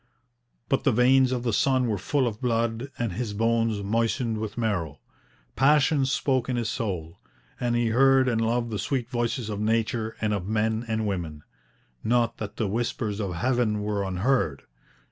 But the veins of the son were full of blood and his bones moistened with marrow. Passion spoke in his soul, and he heard and loved the sweet voices of nature, and of men and women. Not that the whispers of heaven were unheard.